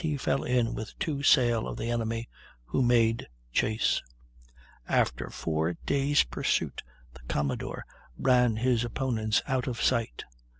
he fell in with two sail of the enemy, who made chase; after four days' pursuit the commodore ran his opponents out of sight.